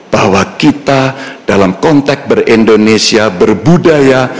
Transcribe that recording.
bahwa kita dalam konteks ber indonesia berbudaya